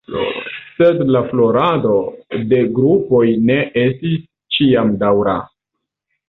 Sed la florado de grupoj ne estis ĉiam daŭra.